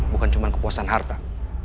bukan cuma kepuasan harta